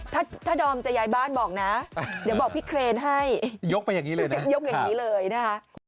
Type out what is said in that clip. ถ้าดอมจะย้ายบ้านบอกนะเดี๋ยวบอกพี่เครนให้ยกไปอย่างนี้เลยนะคะ